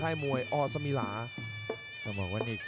ฮีวอร์เป็นฮีวอร์เป็นฮีวอร์เป็นฮีวอร์